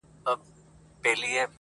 o خر پر لار که، خپله چار که.